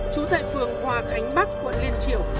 trú tại phường hòa khánh bắc quận liên triều